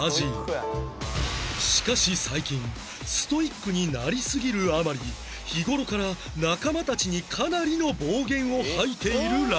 しかし最近ストイックになりすぎるあまり日頃から仲間たちにかなりの暴言を吐いているらしい